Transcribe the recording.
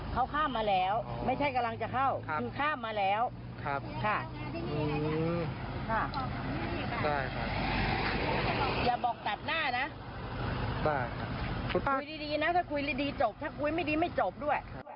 เขาข้ามแล้วไม่ใช่กำลังจะเข้าคือข้ามมาแล้ว